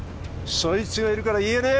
そいつがいるから言えねえ！